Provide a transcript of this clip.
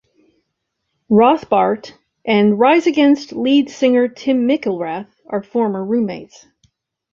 Rothbart and Rise Against lead singer Tim McIlrath are former roommates.